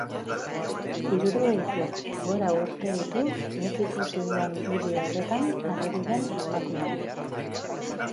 Hirurogeitik gora urte ditu nik ikusi dudan bideo horretan ageri den emakumeak.